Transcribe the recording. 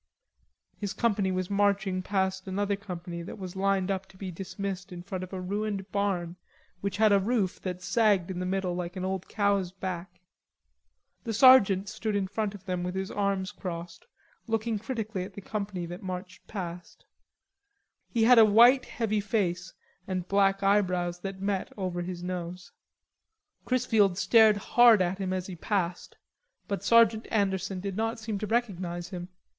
His company was marching past another company that was lined up to be dismissed in front of a ruined barn which had a roof that sagged in the middle like an old cow's back. The sergeant stood in front of them with his arms crossed, looking critically at the company that marched past. He had a white heavy face and black eyebrows that met over his nose. Chrisfield stared hard at him as he passed, but Sergeant Anderson did not seem to recognize him.